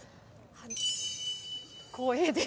光栄です。